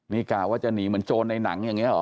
นี่กะว่าจะหนีเหมือนโจรในหนังอย่างนี้เหรอ